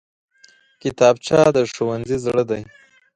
کتابچه د ښوونځي زړه دی